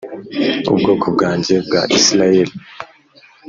ubwoko bwanjye bwa Isirayeli